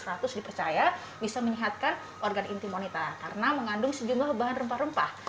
ratus dipercaya bisa menyihatkan organ intim monita karena mengandung sejumlah bahan rempah rempah